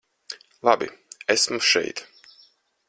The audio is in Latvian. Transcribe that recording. Labi, esmu šeit.